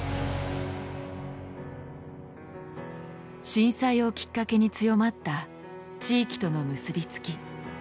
震災をきっかけに強まった地域との結びつき。